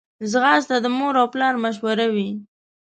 ځغاسته د مور او پلار مشوره وي